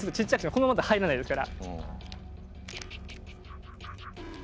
このままだと入らないですから。